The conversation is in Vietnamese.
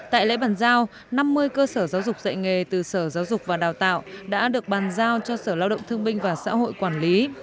tại lễ bàn giao năm mươi cơ sở giáo dục dạy nghề từ sở giáo dục và đào tạo đã được bàn giao cho sở lao động thương binh và xã hội quản lý